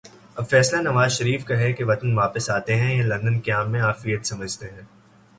اب فیصلہ نوازشریف کا ہے کہ وطن واپس آتے ہیں یا لندن قیام میں عافیت سمجھتے ہیں۔